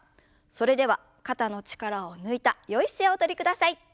それでは肩の力を抜いたよい姿勢をおとりください。